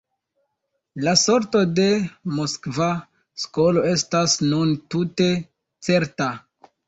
La sorto de Moskva skolo estas nun tute certa.